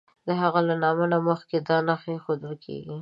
د هغه له نامه نه مخکې دا نښه ایښودل کیږي.